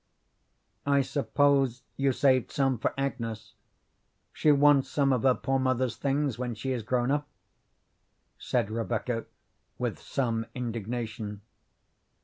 "I suppose you saved some for Agnes. She'll want some of her poor mother's things when she is grown up," said Rebecca with some indignation.